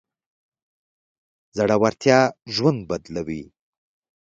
زړورتيا ژوند بدلوي.